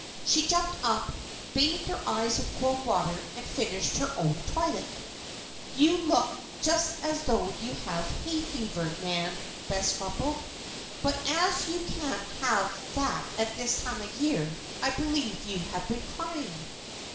She jumped up, bathed her eyes with cold water, and finished her own toilet. "You look just as though you had hay fever, Nan," Bess grumbled. "But as you can't have that at this time of year, I believe you have been crying."